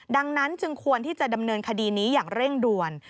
ดังนั้นจึงควรที่จะดำเนินคดีนี้อย่างเร่งด่วน